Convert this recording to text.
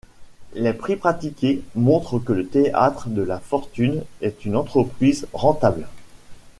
Les prix pratiqués montrent que le Théâtre de la Fortune est une entreprise rentable.